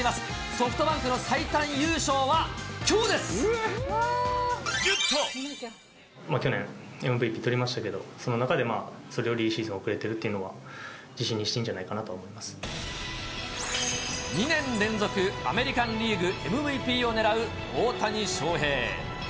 ソフトバンクの最短優勝は去年、ＭＶＰ取りましたけど、その中で、それよりいいシーズンを送れてるっていうのは、自信にしていいん２年連続、アメリカンリーグＭＶＰを狙う大谷翔平。